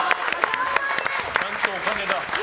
ちゃんとお金だ。